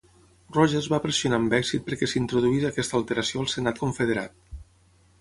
Rogers va pressionar amb èxit perquè s'introduís aquesta alteració al Senat Confederat.